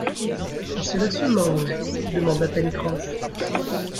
Et cela se mange ? demanda Pencroff